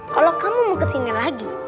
kalau kamu mau kesini lagi